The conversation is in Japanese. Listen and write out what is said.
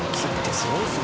すごいね。